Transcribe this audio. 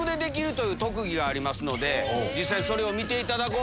実際それを見ていただこう。